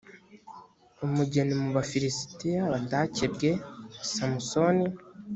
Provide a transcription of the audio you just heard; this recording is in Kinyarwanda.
umugeni mu bafilisitiya batakebwe samusoni